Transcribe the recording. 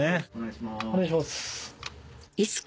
「お願いします」